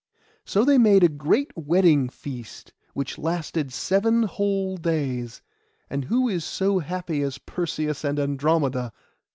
So they made a great wedding feast, which lasted seven whole days, and who so happy as Perseus and Andromeda?